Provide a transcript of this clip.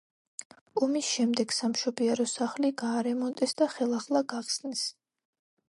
ომის შემდეგ სამშობიარო სახლი გაარემონტეს და ხელახლა გახსნეს.